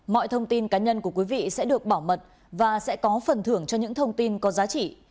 mọi thông tin cá nhân của quý vị sẽ được bảo mật và sẽ có phần thưởng cho những thông tin có giá trị